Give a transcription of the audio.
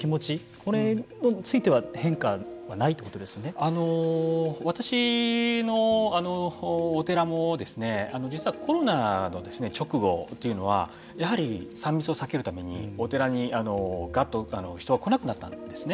これについては私のお寺も実はコロナの直後というのはやはり、３密を避けるためにお寺にがっと人が来なくなったんですね。